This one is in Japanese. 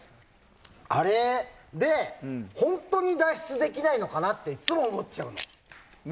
あれって本当に脱出できないのかなっていつも思っちゃうの。